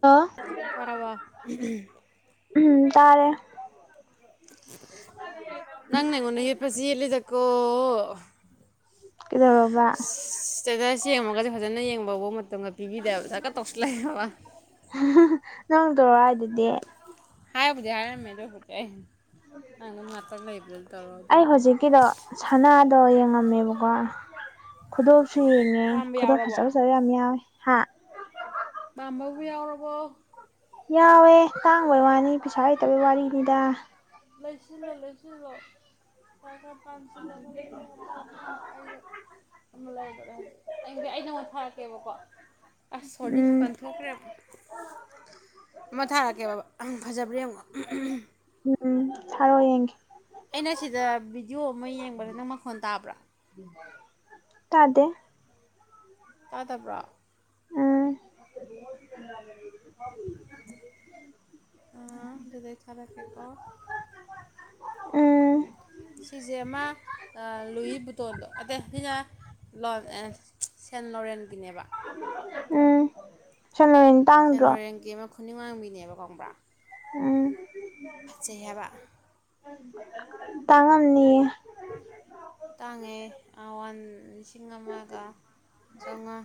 hello ꯇꯥꯔ꯭ꯕꯣ ꯎꯝ ꯇꯥꯔꯦ ꯅꯪꯅ ꯑꯩꯉꯣꯟꯗ ꯌꯦꯠꯄꯁꯤ ꯌꯦꯠꯂꯤꯗꯀꯣ ꯀꯩꯗꯧꯔꯕ ꯁꯤ ꯁꯤꯗ [unintelligible] ꯐꯖꯅ ꯌꯦꯡꯕꯕꯨ ꯅꯪ ꯇꯧꯔꯛꯑꯣ ꯍꯥꯏꯗꯨꯗꯤ ꯍꯥꯏꯕꯨꯗꯤ ꯍꯥꯏꯔꯝꯃꯦ ꯑꯗꯨꯕꯨꯗꯤ ꯅꯪ ꯑꯗꯨꯝ ꯉꯥꯛꯇꯪ ꯂꯩꯕꯗꯨꯗ ꯇꯧꯔꯣ ꯑꯩ ꯑꯗꯨꯒ ꯍꯧꯖꯤꯛꯀꯤꯗꯣ ꯁꯅꯥꯗꯣ ꯌꯦꯡꯉꯝꯃꯦꯕ ꯀꯣ ꯈꯨꯗꯣꯞꯁꯨ ꯌꯦꯡꯉꯦ ꯄꯥꯝꯕ ꯈꯨꯗꯣꯞ ꯌꯥꯎꯔꯕꯣ ꯐꯖꯕ ꯐꯖꯕ ꯌꯥꯝ ꯌꯥꯎꯋꯦ ꯍꯥ ꯄꯥꯝꯕꯕꯨ ꯌꯥꯎꯔꯕꯣ ꯌꯥꯎꯋꯦ ꯇꯥꯡꯕꯩ ꯋꯥꯅꯤ ꯄꯩꯁꯥ ꯂꯩꯇꯕꯩ ꯋꯥꯔꯤꯅꯤꯗ ꯂꯩꯁꯤꯜꯂꯣ ꯂꯩꯁꯤꯜꯂꯣ ꯄꯩꯁꯥ ꯇꯥꯟꯁꯤꯜꯂꯒ ꯂꯩꯌꯣ ꯑꯄꯥꯝ ꯑꯄꯥꯝꯕ ꯑꯩꯒ ꯑꯃ ꯂꯩꯈꯔꯦ ꯍꯧꯖꯤꯛ ꯑꯩꯗꯤ ꯑꯩ ꯅꯉꯣꯟ ꯊꯥꯔꯛꯀꯦꯕꯀꯣ ꯑꯁ ꯁꯣꯔꯤ ꯎꯝ ꯄꯟꯊꯣꯛꯈ꯭ꯔꯦꯕ ꯑꯃ ꯊꯥꯔꯛꯀꯦꯕ ꯐꯖꯕ꯭ꯔ ꯌꯦꯡꯉꯣ ꯎꯝ ꯊꯥꯔꯛꯑꯣ ꯌꯦꯡꯒꯦ ꯑꯩꯅ ꯁꯤꯗ ꯚꯤꯗꯤꯑꯣ ꯑꯃ ꯌꯦꯡꯕꯗꯣ ꯅꯪ ꯃꯈꯣꯟ ꯇꯥꯕ꯭ꯔꯣ ꯇꯥꯗꯦ ꯇꯥꯗꯕ꯭ꯔꯣ ꯎꯝ ꯑ ꯑꯗꯨꯗꯤ ꯑꯩ ꯊꯥꯔꯛꯀꯦꯀꯣ ꯎꯝ ꯁꯤꯁꯦ ꯑꯃ ꯑ ꯂꯨꯏ ꯕꯨꯇꯣꯟꯗꯣ ꯑꯗ ꯁꯤꯅ ꯂꯣꯟ ꯑꯦ ꯁꯦꯟ ꯂꯣꯔꯦꯟꯒꯤꯅꯦꯕ [unintelligible] ꯁꯦꯟ ꯇꯥꯡꯗꯔꯣ ꯂꯣꯔꯦꯟꯒꯤ ꯑꯃ ꯈꯨꯅꯤꯡ ꯋꯥꯡꯕꯤꯅꯦꯕꯀꯣ ꯈꯪꯕ꯭ꯔꯥ ꯎꯝ ꯐꯖꯩ ꯍꯥꯏꯕ ꯇꯥꯡꯉꯝꯅꯤꯌꯦ ꯇꯥꯡꯉꯦ ꯋꯥꯟ ꯂꯤꯁꯤꯡ ꯑꯃꯒ ꯆꯥꯝꯃꯉꯥ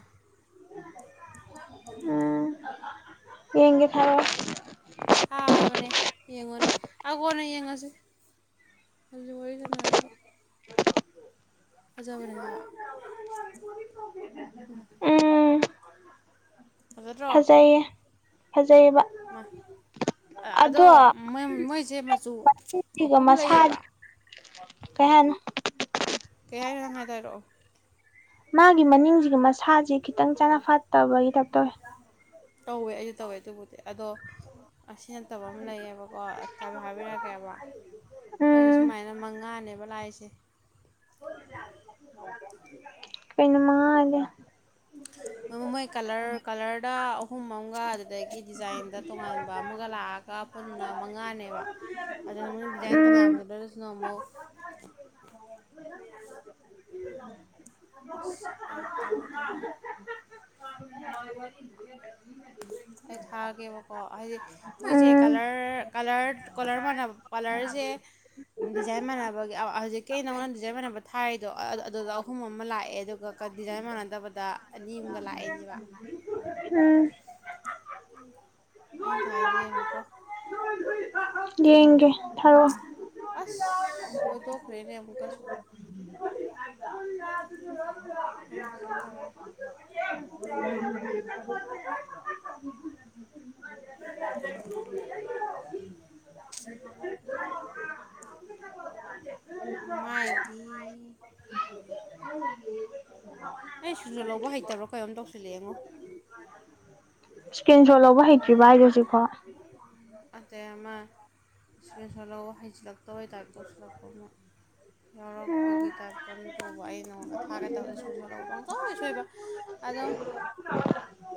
[inaudible] ꯌꯦꯒꯦ ꯊꯥꯔꯛꯑꯣ ꯊꯥꯕꯅꯦ ꯌꯦꯡꯉꯨꯅꯦ ꯑ ꯀꯣꯟꯅ ꯌꯦꯡꯉꯁꯤ ꯍꯧꯖꯤꯛ ꯋꯥꯔꯤ ꯁꯥꯟꯅꯔꯒ ꯐꯖꯕꯅꯦ ꯍꯥꯢꯕ ꯎꯝ ꯐꯖꯩꯌꯦ ꯖꯩꯕ ꯑꯗꯣ ꯃꯣꯢ ꯃꯣꯏꯁꯦ ꯃꯆꯨ ꯃꯅꯤꯡꯁꯤꯒ ꯑꯍꯨꯝ ꯃꯁꯥ ꯂꯩꯌꯦꯕ ꯀꯩ ꯍꯥꯢꯅꯣ ꯀꯩ ꯍꯥꯢꯅꯣ ꯅꯪ ꯍꯥꯢꯗꯣ ꯍꯥꯏꯔꯛꯑꯣ ꯃꯥꯒꯤ ꯃꯅꯤꯡꯁꯤꯒ ꯃꯁꯥꯖꯤꯒ ꯈꯤꯇꯪ ꯆꯥꯅ ꯐꯥꯠꯇꯕꯒꯤ ꯇꯥꯢꯞ ꯇꯧꯋꯦ ꯇꯧꯋꯦ ꯑꯩꯁꯨ ꯇꯧꯋꯦ ꯑꯗꯨꯕꯨꯗꯤ ꯑꯗꯣ ꯑꯁꯤ ꯅꯠꯇꯕ ꯑꯃ ꯂꯩꯌꯦꯕꯀꯣ ꯊꯥꯕꯤ ꯍꯥꯕꯤꯔꯛꯀꯦꯕ ꯃꯣꯏꯁꯦ ꯎꯝ ꯁꯨꯃꯥꯏꯅ ꯃꯉꯥꯅꯦꯕ ꯂꯥꯛꯏ ꯁꯦ ꯀꯩꯅꯣ ꯃꯉꯥ ꯍꯥꯢꯗꯤ ꯃꯣꯏ ꯀꯂꯔ ꯀꯂꯔꯗ ꯑꯍꯨꯝ ꯑꯃꯒ ꯑꯗꯨꯗꯒꯤ ꯗꯤꯖꯥꯏꯟꯗ ꯇꯣꯉꯥꯟꯕ ꯑꯃꯒ ꯂꯥꯛꯑꯒ ꯄꯨꯟꯅ ꯃꯉꯥꯅꯦꯕ ꯑꯗ ꯃꯣꯢ ꯗꯤꯖꯥꯏꯟ ꯎꯝ ꯇꯣꯉꯥꯥꯟꯕꯗꯨꯗꯁꯨ ꯑꯃꯨꯛ [inaudible] [inaudible] ꯑꯁ ꯑꯩ ꯇꯧꯔꯗꯣꯢ [inaudible] ꯑꯩ ꯊꯥꯔꯒꯦꯕꯀꯣ ꯍꯥꯏꯗꯤ ꯃꯣꯏꯁꯦ ꯎꯝ ꯀꯂꯔ ꯀꯂꯔ ꯀꯂꯔ ꯃꯥꯟꯅꯕ ꯀꯂꯔꯁꯦ ꯗꯤꯖꯥꯏꯟ ꯃꯥꯟꯅꯕꯒꯤ ꯑ ꯍꯧꯖꯤꯛꯀꯤ ꯅꯪꯉꯣꯟꯅ ꯗꯤꯖꯥꯏꯟ ꯃꯥꯟꯅꯕ ꯊꯥꯔꯤꯗꯣ ꯑꯗꯨꯗ ꯑꯍꯨꯝ ꯑꯃ ꯂꯥꯛꯑꯦ ꯑꯗꯨꯒ ꯗꯤꯖꯥꯏꯟ ꯃꯥꯟꯅꯗꯕꯗ ꯑꯅꯤ ꯑꯃꯒ ꯂꯥꯛꯑꯦꯅꯦꯕ ꯍꯝ ꯑꯩꯅ ꯊꯥꯏꯗꯣ ꯌꯦꯡꯉꯨꯀꯣ ꯌꯦꯡꯒꯦ ꯊꯔꯛꯑꯣ ꯑꯁ ꯍꯣꯏꯗꯣꯛꯈ꯭ꯔꯦꯅꯦ ꯑꯃꯨꯛꯀꯁꯨ ꯑꯝ ꯑꯩ ꯊꯥꯔꯛꯑꯒꯦ ꯅꯃꯥꯏꯗꯤ ꯑꯩ ꯏꯁꯀ꯭ꯔꯤꯟꯁꯣꯠ ꯂꯧꯕ ꯍꯩꯇꯕ꯭ꯔ ꯀꯩꯅꯣꯝ ꯇꯧꯁꯤꯜꯂꯛꯑꯦꯉꯣ ꯏꯁꯀ꯭ꯔꯤꯟ ꯁꯣꯠ ꯂꯧꯕ ꯍꯩꯇ꯭ꯔꯤꯕ ꯍꯥꯏꯗꯤ ꯍꯥꯏꯖꯦ ꯍꯧꯖꯤꯛꯐꯥꯎ ꯑꯇꯩ ꯑꯃ ꯏꯁꯀ꯭ꯔꯤꯟ ꯁꯣ ꯂꯧꯑꯣ ꯍꯩꯖꯤꯜꯂꯛꯇꯕꯩ ꯇꯥꯏꯞ ꯇꯧꯁꯤꯜꯂꯛꯄ ꯑꯃ ꯎꯝ ꯌꯥꯎꯔꯛꯄꯒꯤ ꯇꯥꯏꯞꯇ ꯑꯃ ꯇꯧꯕ ꯑꯩ ꯅꯉꯣꯟꯗ ꯊꯥꯒꯦ ꯇꯧꯕ ꯏꯁꯀ꯭ꯔꯤꯟ ꯁꯣꯠ ꯂꯧꯠ ꯄꯪꯁꯣꯢ ꯁꯣꯏꯕ ꯑꯗꯣ [inaudible]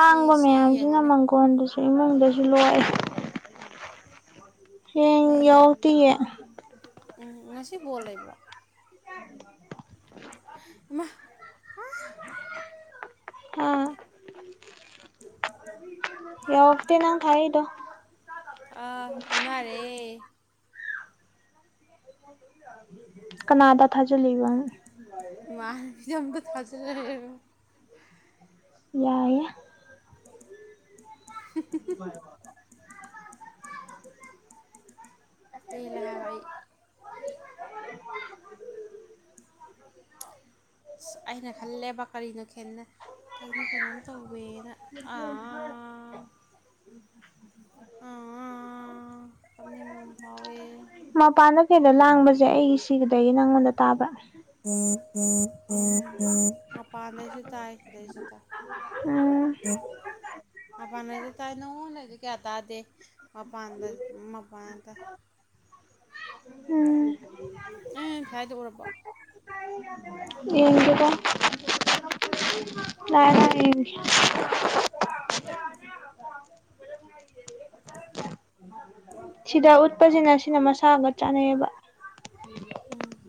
ꯁꯤ ꯁꯤ ꯃꯌꯥꯝꯁꯤꯅ ꯌꯦꯡꯉꯣꯅꯦ ꯃꯪꯒꯣꯟꯗꯨꯁꯨ ꯏꯃꯨꯡꯗꯁꯨ ꯂꯣꯛꯔꯦ ꯍꯌꯦꯡ ꯃꯣꯏ ꯌꯧꯔꯛꯇꯤꯌꯦ ꯎꯝ ꯉꯁꯤ ꯐꯣꯜ ꯂꯩꯕ꯭ꯔꯣ [inaudible] ꯍꯥ ꯍꯥ ꯌꯧꯔꯛꯇꯦ ꯅꯪ ꯊꯥꯔꯛꯏꯗꯣ ꯑ ꯑꯣꯟꯅꯔꯦ ꯀꯅꯥꯗ ꯊꯥꯖꯜꯂꯤꯕ ꯏꯃꯥꯟꯅꯕꯤ ꯑꯃꯗ ꯊꯥꯖꯤꯜ ꯂꯩ ꯌꯥꯏꯌ ꯅꯨꯡꯉꯥꯏꯌꯦꯕ ꯄꯦꯜꯂꯦ ꯍꯥꯏꯕ ꯑꯩ ꯑꯁ ꯑꯩꯅ ꯈꯜꯂꯦꯕ ꯀꯔꯤꯅ ꯈꯦꯠꯅꯩ ꯀꯩꯅꯣ ꯀꯩꯅꯣꯝ ꯇꯧꯋꯦꯅ [unintelligible] ꯑꯥ ꯑ ꯑ ꯑ ꯀꯞꯅꯤꯡꯕꯃ ꯐꯥꯎꯌꯦ ꯃꯄꯥꯟꯗ ꯀꯩꯗ ꯂꯥꯡꯕꯖꯦ ꯑꯩꯒꯤ ꯁꯤꯗꯒꯤ ꯅꯪꯉꯣꯟꯗ ꯇꯥꯕ꯭ꯔ ꯃꯄꯥꯟꯗꯩꯁꯨ ꯇꯥꯏ ꯁꯤꯗꯩꯁꯨ ꯇꯥꯏ ꯎꯝ ꯃꯄꯥꯟꯗꯩꯖꯨ ꯇꯥꯏ ꯅꯉꯣꯟꯗꯩꯗꯤ ꯀꯌꯥ ꯇꯥꯗꯦ ꯃꯄꯥꯟꯗ ꯃꯄꯥꯟꯗ ꯎꯝ ꯑꯩꯅ ꯊꯥꯏꯗꯣ ꯎꯔꯕꯣ ꯌꯦꯟꯗꯦꯗꯥ ꯂꯥꯛꯑꯦ ꯂꯥꯛꯑꯦ ꯌꯦꯡꯒꯦ ꯁꯤꯗꯥ ꯎꯠꯄꯖꯤꯅ ꯁꯤꯅ ꯃꯁꯥꯒ ꯆꯥꯅꯩꯌꯦꯕ ꯎꯝ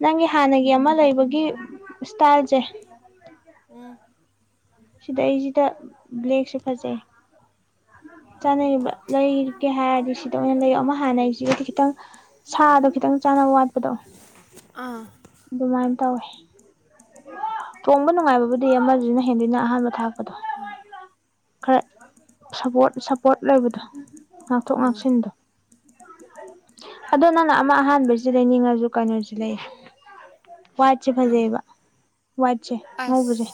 ꯅꯪꯒꯤ ꯍꯥꯟꯅꯒꯤ ꯑꯃ ꯂꯩꯕꯒꯤ ꯏꯁꯇꯥꯏꯜꯖꯦ ꯎꯝ ꯁꯤꯗꯩꯖꯤꯗꯥ ꯕ꯭ꯂꯦꯛꯁꯦ ꯐꯖꯩ ꯆꯥꯅꯔꯤꯕ ꯂꯩꯒꯦ ꯍꯥꯏꯔꯗꯤ ꯁꯤꯗ ꯑꯣꯏꯅ ꯂꯩꯑꯣ ꯑꯃ ꯍꯥꯟꯅꯩꯖꯤꯒꯗꯤ ꯈꯤꯇꯪ ꯁꯥꯗꯣ ꯈꯤꯇꯪ ꯆꯥꯅ ꯋꯥꯠꯄꯗꯣ ꯑꯥ ꯑꯗꯨꯃꯥꯏꯟ ꯇꯧꯋꯤ ꯇꯣꯡꯕ ꯅꯨꯡꯉꯥꯏꯕꯕꯨꯗꯤ ꯑꯃꯖꯤꯅ ꯍꯦꯟꯗꯣꯏ ꯅ ꯑꯍꯥꯟꯕ ꯊꯥꯔꯛꯄꯗꯣ ꯑꯥ ꯈꯔ ꯁꯄꯣꯔꯠ ꯁꯄꯣꯔꯠ ꯂꯩꯕꯗꯣ ꯉꯥꯛꯊꯣꯛ ꯉꯥꯡꯁꯤꯟꯗꯣ [inaudible] ꯑꯗꯣ ꯅꯪꯅ ꯑꯃ ꯑꯍꯥꯟꯕꯩꯖꯤ ꯂꯩꯅꯤꯡꯉꯖꯨ ꯀꯩꯅꯣꯖꯤ ꯂꯩꯌꯨ ꯋꯥꯏꯠꯁꯦ ꯀꯔꯤ ꯐꯖꯩꯑꯦꯕ ꯋꯥꯏꯠꯁꯦ ꯑꯉꯧꯕꯖꯦ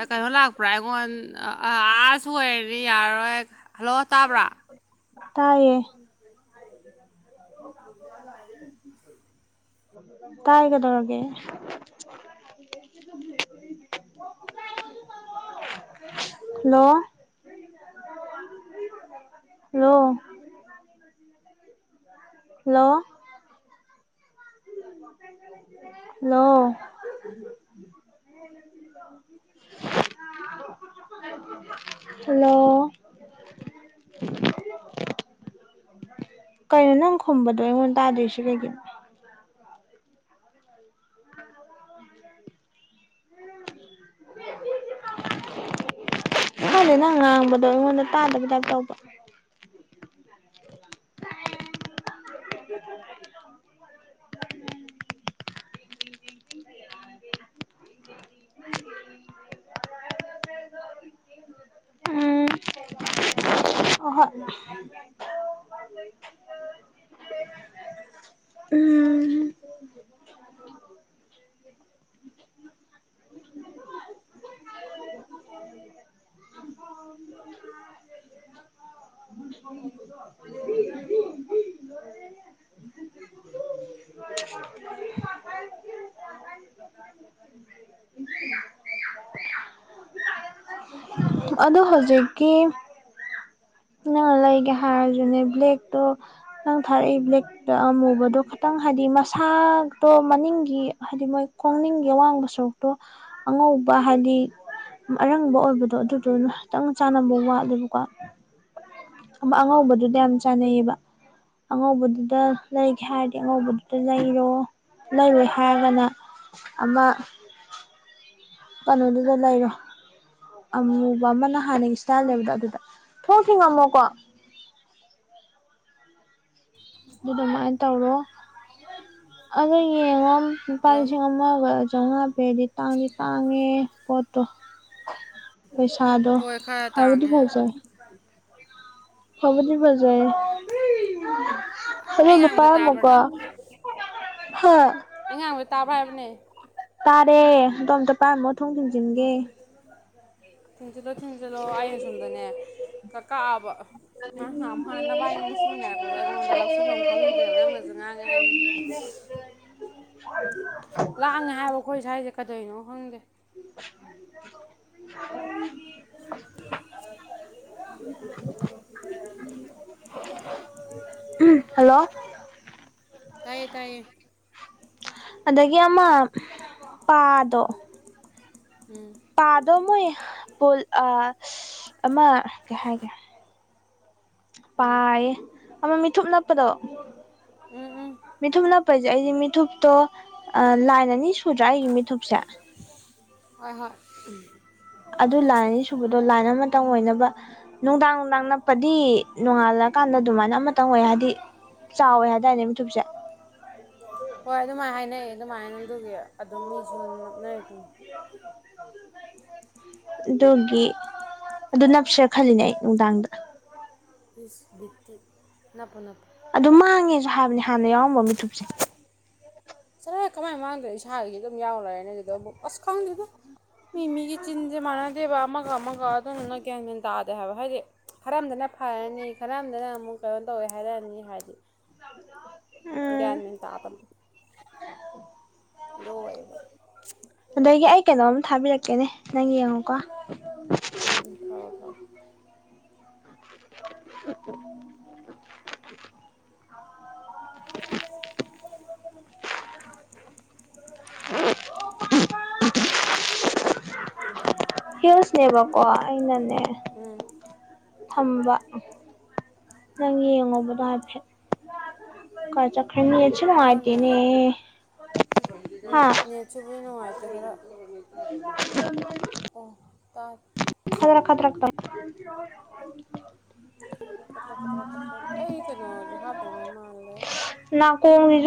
ꯑ ꯀꯩꯅꯣ ꯂꯥꯛꯄ꯭ꯔꯥ ꯑꯩꯉꯣꯟ ꯑ ꯑꯥꯁ ꯑꯣꯏꯔꯅꯤ ꯌꯥꯔꯔꯣꯏ ꯍꯜꯂꯣ ꯇꯥꯕ꯭ꯔꯥ ꯇꯥꯏꯌꯦ ꯇꯥꯏ ꯀꯦꯗꯧꯔꯒꯦ ꯍꯜꯂꯣ ꯂꯣ ꯂꯣ ꯍꯜꯂꯣ [inaudible] ꯍꯜꯂꯣ [inaudible] ꯀꯩꯅꯣ ꯅꯪ ꯈꯨꯝꯕꯗꯣ ꯑꯩꯉꯣꯟ ꯇꯥꯗ꯭ꯔꯤꯁꯦ ꯀꯩꯒꯤꯅꯣ [inaudible] ꯈꯪꯗꯦ ꯅꯪ ꯉꯥꯡꯕꯗꯣ ꯑꯩꯉꯣꯟꯗ ꯇꯥꯗꯕꯩ ꯇꯥꯏꯞ ꯇꯧꯕ [unintelligible] [unintelligible] ꯎꯝ ꯑ ꯍꯣꯏ ꯎꯝ ꯑꯗꯣ ꯍꯧꯖꯤꯛꯀꯤ ꯅꯪ ꯅ ꯂꯩꯒꯦ ꯍꯥꯏꯔꯖꯨꯅꯦ ꯕ꯭ꯂꯦꯛꯇꯣ ꯅꯪ ꯊꯥꯔꯛꯏ ꯕ꯭ꯂꯦꯛꯇ ꯑꯃꯨꯕꯗꯣ ꯈꯇꯪ ꯍꯥꯏꯗꯤ ꯃꯁꯥꯗꯣ ꯃꯅꯤꯡꯒꯤ ꯍꯥꯏꯗꯤ ꯃꯣꯏ ꯈꯣꯡꯅꯤꯡꯒꯤ ꯑꯋꯥꯡꯕ ꯁꯔꯨꯛꯇꯣ ꯑꯉꯧꯕ ꯍꯥꯏꯗꯤ ꯑꯔꯪꯕ ꯑꯣꯏꯕꯗꯣ ꯑꯗꯨꯗꯨ ꯈꯤꯇꯪ ꯆꯥꯅꯕ ꯋꯥꯠꯂꯦꯕꯀꯣ ꯑ ꯑꯉꯧꯕꯗꯨꯗ ꯌꯥꯝ ꯆꯥꯟꯅꯩꯌꯦꯕ ꯑꯉꯧꯕꯗꯨꯗ ꯂꯩꯒꯦ ꯍꯥꯏꯔꯗꯤ ꯑꯉꯧꯕꯗꯨꯗ ꯂꯩꯔꯣ ꯂꯩꯔꯣꯏ ꯍꯥꯏꯔꯒꯅ ꯑꯃ ꯀꯩꯅꯣꯗꯨꯗ ꯂꯩꯔꯣ ꯑꯃꯨꯕ ꯑꯃꯅ ꯍꯥꯟꯅꯒꯤ ꯏꯁꯇꯥꯏꯜ ꯂꯩꯕꯗꯣ ꯑꯗꯨꯗ ꯊꯣꯡ ꯊꯤꯡꯉꯝꯃꯣꯀꯣ ꯑꯗꯨꯃꯥꯏꯅ ꯇꯧꯔꯣ ꯑꯗꯣ ꯌꯦꯡꯉꯣ ꯂꯨꯄꯥ ꯍꯜꯂꯣ ꯂꯤꯁꯤꯡ ꯑꯃꯒ ꯆꯧꯉꯥ ꯄꯤꯔꯗꯤ ꯇꯥꯡꯗꯤ ꯇꯥꯡꯉꯦ ꯄꯣꯠꯇꯣ ꯄꯩꯁꯥꯗꯣ ꯍꯣꯏ ꯈꯔ ꯐꯕꯨꯗꯤ ꯇꯥꯡꯉꯦ ꯍꯥꯏꯕ ꯐꯖꯩ ꯐꯕꯨꯗꯤ ꯐꯖꯩ ꯑꯩ ꯑꯗꯨꯗꯤ ꯉꯥꯡꯕꯗ ꯄꯥꯏꯔꯝꯃꯨꯀꯣ ꯇꯥꯕ꯭ꯔꯅ ꯍꯥ ꯑꯩ ꯉꯉꯥꯡꯗ ꯇꯥꯕꯔ ꯍꯥꯏꯕꯅꯦ ꯇꯥꯔꯦ ꯑꯗꯣꯝꯇ ꯄꯥꯏꯝꯃꯣ ꯊꯣꯡ ꯊꯨꯡꯖꯤꯟꯒꯦ ꯊꯤꯟꯖꯤꯜꯂꯣ ꯊꯤꯟꯖꯤꯜꯂꯣ ꯑꯩꯅ ꯁꯣꯝꯗꯅꯦ ꯀ ꯀꯛꯑꯕ ꯅ ꯅꯚꯏ ꯉꯥꯡꯁꯤꯃꯤꯟꯅꯔꯛꯄꯗꯣ ꯑꯩꯉꯣꯟꯗ ꯂꯧꯁꯨꯐꯝ ꯈꯪꯗ꯭ꯔꯦꯕ ꯅꯪꯅꯁꯨ ꯉꯥꯡꯉꯦ ꯑꯩꯅ [inaudible] ꯂꯥꯡꯉꯦ ꯍꯥꯏꯕ ꯑꯩꯈꯣꯏ ꯁ꯭ꯋꯥꯏꯁꯦ ꯀꯗꯣꯏꯅꯣ [unintelligible] [inaudible] ꯍꯜꯂꯣ ꯇꯥꯏꯌꯦ ꯇꯥꯏꯌꯦ ꯑꯗꯒꯤ ꯑꯃ ꯄꯥꯗꯣ ꯎꯝ ꯄꯥꯗꯣ ꯃꯣꯏ ꯑ ꯑꯃ ꯀꯩ ꯍꯥꯏꯥꯏꯒꯦ ꯄꯥꯏ ꯑꯃ ꯃꯤꯊꯨꯞ ꯅꯄꯗ ꯎꯝ ꯎꯝ ꯃꯤꯊꯨꯞ ꯅꯞꯄꯁꯦ ꯑꯩꯗꯤ ꯃꯤꯊꯨꯞꯇꯣ ꯂꯥꯏꯟ ꯑꯅꯤ ꯁꯨꯗ꯭ꯔꯥ ꯑꯩꯒꯤ ꯃꯤꯊꯨꯞꯁꯦ [inaudible] ꯍꯣꯏ ꯍꯣꯏ ꯑꯗꯨ ꯂꯥꯏꯟ ꯑꯅꯤ ꯁꯨꯕꯗꯣ ꯂꯥꯏꯟ ꯑꯃꯇꯪ ꯑꯣꯏꯅꯕ ꯅꯨꯡꯗꯥꯡ ꯅꯨꯡꯗꯥꯡ ꯅꯞꯄꯗꯤ ꯅꯣꯡꯉꯥꯜꯂꯀꯥꯟ ꯐꯟꯅ ꯑꯗꯨꯃꯥꯏꯅ ꯑꯃꯇꯪ ꯑꯣꯏ ꯍꯥꯏꯗꯤ ꯆꯥꯎꯋꯦ ꯍꯥꯏꯗꯥꯏꯔꯅꯦ ꯃꯤꯊꯨꯞꯁꯦ ꯍꯣꯏ ꯑꯗꯨꯃꯥꯏꯅ ꯍꯥꯏꯅꯑꯦ ꯑꯗꯨꯃꯥꯏꯅꯗꯨꯒꯤ ꯑꯗꯨꯝ ꯃꯤꯁꯨ ꯑꯗꯨꯝ ꯅꯞꯅꯔꯤꯗꯨꯅꯤ [inaudible] ꯑꯗꯨꯒꯤ ꯑꯗꯨ ꯅꯞꯁ ꯈꯜꯂꯤꯅꯦ ꯑꯩ ꯅꯨꯡꯗꯥꯡꯗ ꯕꯤꯠꯇꯤ ꯅꯞꯄꯨ ꯅꯞꯄꯨ ꯑꯗꯨ ꯃꯥꯡꯉꯦꯁꯨ ꯍꯥꯏꯕꯅꯦ ꯍꯥꯟꯅ ꯌꯥꯎꯔꯝꯕ ꯃꯤꯊꯨꯞꯁꯦ ꯆꯠꯂꯄ ꯍꯦ ꯀꯃꯥꯏꯅ ꯃꯥꯡꯗ꯭ꯔꯦ ꯏꯁꯥꯗꯒꯤ ꯑꯗꯨꯝ ꯌꯥꯎꯔ ꯂꯩꯔꯗꯨ ꯑꯗꯨꯗ ꯑꯁ ꯈꯪꯗ꯭ꯔꯤꯗꯣ ꯃꯤꯃꯤꯒꯤ ꯆꯤꯟꯖ ꯃꯥꯅꯗꯕ ꯑꯃꯒ ꯑꯃꯒ ꯑꯗꯨꯗꯨꯅ ꯅꯒꯌꯥ ꯃꯦꯟꯇꯥꯗ ꯍꯥꯏꯕ ꯍꯥꯏꯔꯦ ꯈꯔꯝꯗꯅ ꯐꯔꯅꯤ ꯈꯔꯝꯗꯅ ꯑꯃꯨꯛ ꯀꯩꯅꯣ ꯇꯧꯋꯦ ꯍꯥꯏꯔꯛꯑꯅꯤ ꯍꯥꯏꯗꯤ ꯎꯝ ꯒ꯭ꯌꯥꯟ ꯃꯦꯟ ꯇꯥꯗꯦ ꯂꯣꯏꯕ ꯑꯗꯒꯤ ꯑꯩ ꯀꯩꯅꯣꯝ ꯊꯥꯕꯤꯔꯛꯀꯦꯅꯦ ꯅꯪ ꯌꯦꯡꯉꯨꯀꯣ ꯎꯝꯝ ꯊꯔꯣ ꯊꯔꯣ ꯏ꯭ꯁꯇꯦꯇꯁ ꯅꯦꯕ ꯑꯩꯅꯅꯦ ꯎꯝ ꯊꯝꯕ ꯅꯪ ꯌꯦꯡꯉꯧꯕꯗꯣ ꯍꯥꯏꯐꯦꯠ ꯆꯈꯅꯤ ꯅꯦꯠꯁꯦ ꯍꯥꯏꯔꯣꯅꯦ ꯅꯨꯡꯉꯥꯏꯇꯦꯅꯦ ꯑꯗꯨꯝ ꯁꯤꯃ ꯍꯤꯒꯦ ꯍꯥ ꯀꯟꯅ [unintelligible] ꯈꯗꯔꯛ ꯈꯗꯔꯛ ꯇ ꯀꯠꯇꯔꯥ ꯀꯠꯇꯔꯥ ꯀꯠꯇ꯭ꯔ ꯑꯩ ꯀꯩꯅꯣ ꯍꯥꯞꯇꯕ ꯃꯥꯜꯂꯦ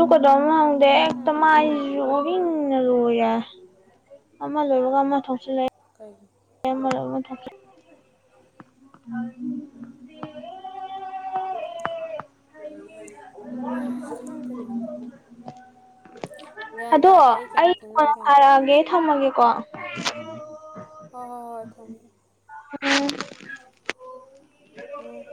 ꯀꯗꯧ ꯈꯪꯗꯦ ꯍꯦꯛꯇ ꯎꯝ ꯃꯥꯏꯖꯤꯁꯨ ꯎꯔꯤꯡ ꯉꯥꯇ ꯂꯣꯏ ꯌꯥ ꯑꯃ ꯂꯣꯏꯕꯒ ꯑꯃ ꯊꯣꯛꯆꯜꯂꯛꯏ ꯀꯩꯒꯤ ꯃꯔꯛ ꯃꯔꯛ ꯑꯃ ꯊꯣꯛꯆ [unintelligible] ꯈꯪꯗꯦꯗ [unintelligible] ꯒ꯭ꯌꯥꯟ ꯑꯗꯣ ꯇꯥꯗꯦ ꯑꯩ ꯀꯩꯅꯣꯗꯤ ꯅꯪ ꯀꯣꯟꯅ ꯒ꯭ꯌꯥꯟ ꯇꯥꯔꯦ ꯊꯔꯛꯑꯒꯦ ꯑꯩ ꯊꯝꯃꯒꯦꯀꯣ ꯍꯣ ꯍꯣ ꯍꯣꯏ ꯊꯝꯃꯣ ꯎꯝ ꯎꯝ